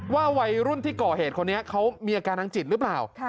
ว่าวัยรุ่นที่ก่อเหตุคนนี้เขามีอาการทางจิตหรือเปล่า